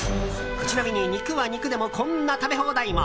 ちなみに肉は肉でも、こんな食べ放題も。